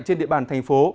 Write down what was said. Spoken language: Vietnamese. trên địa bàn thành phố